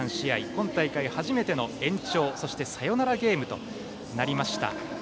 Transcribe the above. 今大会、初めての延長そして、サヨナラゲームとなりました。